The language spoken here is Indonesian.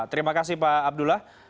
terima kasih pak abdullah